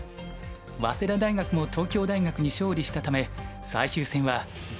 早稲田大学も東京大学に勝利したため最終戦は全勝対決。